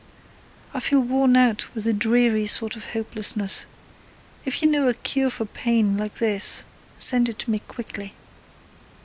I feel worn out with a dreary sort of hopelessness; if you know a cure for pain like this send it to me quickly.